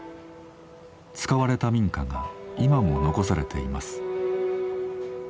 使われた民家が今も残されています。